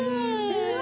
うわ！